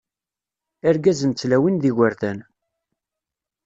Irgazen d tlawin d yigerdan.